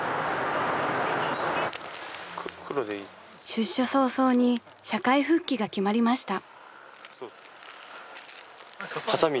［出所早々に社会復帰が決まりました］